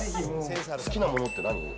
好きなものって何？